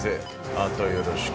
あとよろしく。